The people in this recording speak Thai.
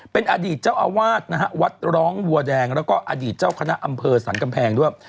เป็นอดีตเจ้าอาวาสนะฮะวัดร้องวัวแดงแล้วก็อดีตเจ้าคณะอำเภอสรรกำแพงด้วย